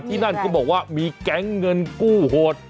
ที่นั่นเขาบอกว่ามีแก๊งเงินกู้โหด